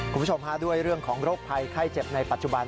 คุณผู้ชมฮะด้วยเรื่องของโรคภัยไข้เจ็บในปัจจุบัน